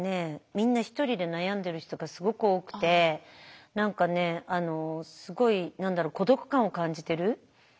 みんなひとりで悩んでる人がすごく多くて何かねすごい何だろう孤独感を感じてる。